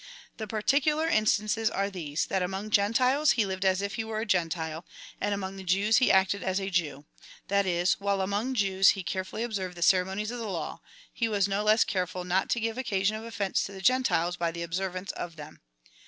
The particular instances are these — that among the Gentiles he lived as if he were a Grentile, and among the Jews he acted as a Jew : that is, while among Jews he care fully observed the ceremonies of the law, he was no less care ful not to give occasion of offence to the Gentiles hj the observance of them.